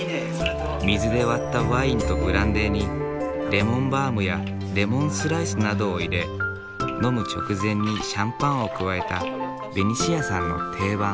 水で割ったワインとブランデーにレモンバームやレモンスライスなどを入れ飲む直前にシャンパンを加えたベニシアさんの定番。